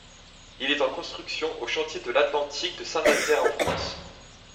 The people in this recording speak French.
Il est en construction aux Chantiers de l'Atlantique de Saint-Nazaire en France.